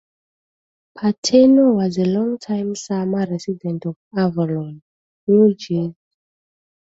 Paterno was a longtime summer resident of Avalon, New Jersey.